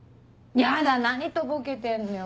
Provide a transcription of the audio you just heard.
ヤダ何とぼけてんのよ。